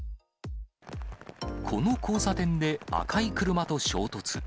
この交差点で赤い車と衝突。